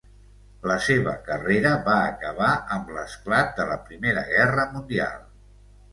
La seva carrera va acabar amb l'esclat de la Primera Guerra Mundial.